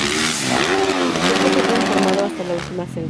Su cuerpo fue transformado hasta la última celda.